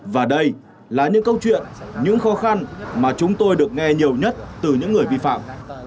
và đây là những câu chuyện những khó khăn mà chúng tôi được nghe nhiều nhất từ những người vi phạm